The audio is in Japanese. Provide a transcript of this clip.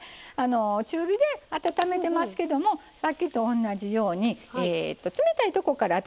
中火で温めてますけどもさっきと同じように冷たいとこから温めてます。